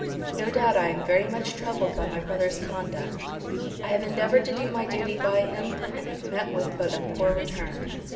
No doubt I am very much troubled by my brother's conduct. I have endeavoured to do my duty by him, and have met with but a poor return.